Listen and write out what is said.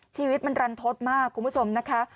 ชีวิตมันรันทดมากคุณผู้ชมนะคะ